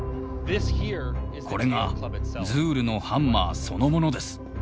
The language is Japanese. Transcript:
これがズールのハンマーそのものです。